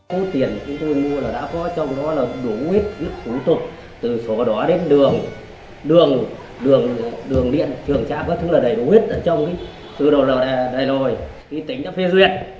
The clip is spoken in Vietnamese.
từ số tiền chúng tôi mua là đã có trong đó là đủ huyết huyết phú tục từ số đó đến đường đường đường đường điện trường trạm các thứ là đầy đủ huyết ở trong từ đầu là đầy lồi ký tính là phê duyệt